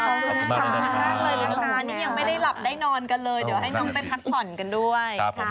สำคัญมากเลยนะคะนี่ยังไม่ได้หลับได้นอนกันเลยเดี๋ยวให้น้องไปพักผ่อนกันด้วย